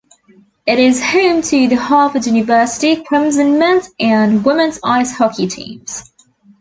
It is home to the Harvard University Crimson men's and women's ice hockey teams.